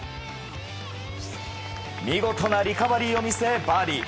見事なリカバリーを見せバーディー。